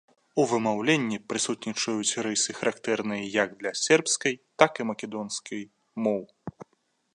У вымаўленні прысутнічаюць рысы, характэрныя як для сербскай, так і македонскай моў.